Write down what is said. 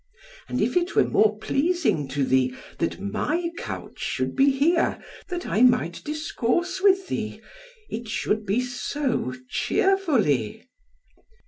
And if it were more pleasing to thee that my couch should be here, that I might discourse with thee, it should be so, cheerfully."